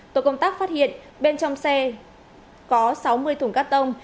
tổ công tác phát hiện bên trong xe có sáu mươi thùng cắt tông